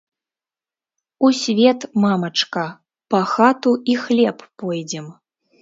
У свет, мамачка, па хату і хлеб пойдзем.